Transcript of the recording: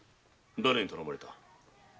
だれに頼まれた？